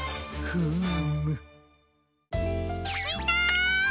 フーム。